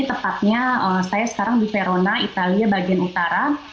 tepatnya saya sekarang di verona italia bagian utara